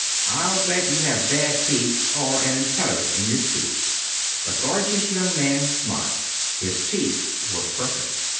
"I'll bet you have bad teeth, or an impediment in your speech." The gorgeous young man smiled. His teeth were perfect.